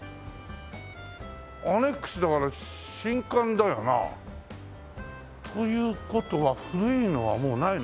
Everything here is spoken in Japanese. アネックスだから新館だよな？という事は古いのはもうないの？